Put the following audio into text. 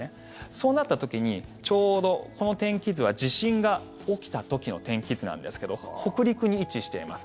そうなった時にちょうどこの天気図は地震が起きた時の天気図なんですけど北陸に位置しています。